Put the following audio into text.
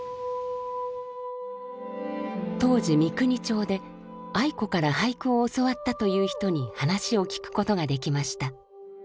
当時三国町で愛子から俳句を教わったという人に話を聞くことができました。